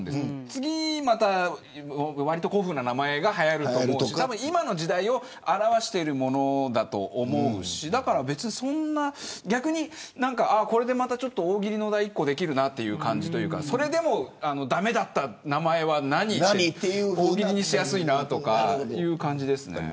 次に、わりと古風な名前がはやると思うし今の時代を表しているものだと思うし逆にこれで大喜利のお題１個できるなという感じというかそれでも駄目だった名前は何という大喜利にしやすいなとかという感じです。